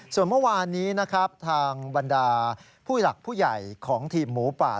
ส่วนเมื่อวานนี้นะครับทางบรรดาผู้หลักผู้ใหญ่ของทีมหมูป่า